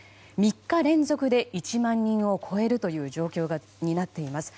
３日連続で１万人を超える状況になっています。